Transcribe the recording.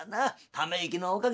ため息のおかげだ。